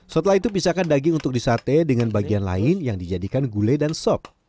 setelah itu pisahkan daging untuk disate dengan bagian lain yang dijadikan gulai dan sop